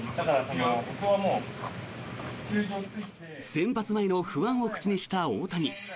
先発前の不安を口にした大谷。